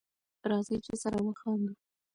راځی چی سره وخاندو